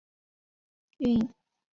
中华人民共和国全国运动会。